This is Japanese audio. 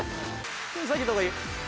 手下げた方がいい？